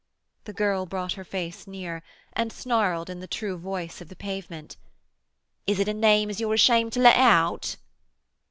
The girl brought her face near, and snarled in the true voice of the pavement— "Is it a name as you're ashamed to let out?"